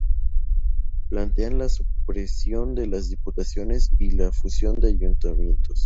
Plantean la supresión de las Diputaciones y la fusión de Ayuntamientos.